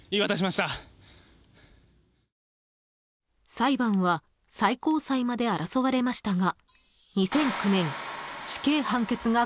［裁判は最高裁まで争われましたが］